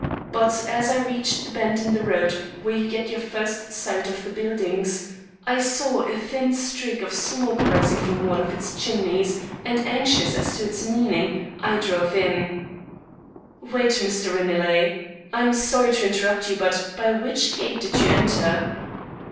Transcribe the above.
But, as I reached the bend in the road where you get your first sight of the buildings, I saw a thin streak of smoke rising from one of its chimneys, and anxious as to its meaning, I drove in " "Wait, Mr. Ranelagh, I am sorry to interrupt you, but by which gate did you enter?"